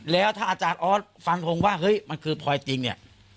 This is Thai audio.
แล้วถ้าอาจารย์ออสฟันทงว่าเฮ้ยมันคือพลอยจริงเนี่ย